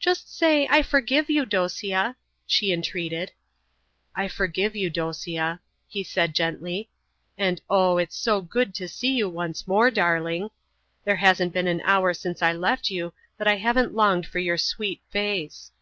"Just say, I forgive you, Dosia,'" she entreated. "I forgive you, Dosia," he said gently, "and oh, it's so good to see you once more, darling. There hasn't been an hour since I left you that I haven't longed for your sweet face.